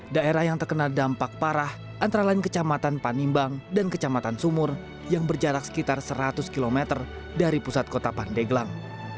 daerah yang terkena dampak parah antara lain kecamatan panimbang dan kecamatan sumur yang berjarak sekitar seratus km dari pusat kota pandeglang